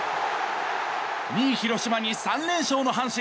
２位広島に３連勝の阪神。